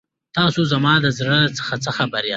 تاسو زما له زړه څخه خبر یاست.